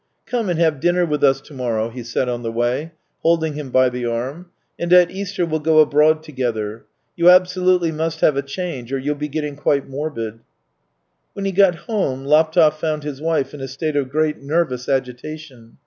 " Come and have dinner with us to morrow," he said on the way, holding him by the arm, " and at Easter we'll go abroad together. You abso lutely must have a change, or you'll be getting quite morbid." When he got home Laptev found his wife in a state of great nervous agitation.